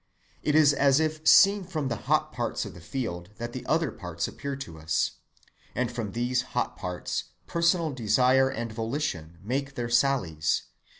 It is as if seen from the hot parts of the field that the other parts appear to us, and from these hot parts personal desire and volition make their sallies.